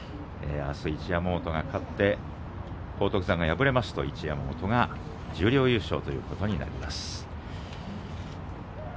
一山本が勝って荒篤山が敗れると一山本が十両優勝ということになります。